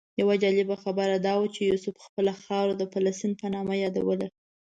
یوه جالبه خبره دا وه چې یوسف خپله خاوره د فلسطین په نامه یادوله.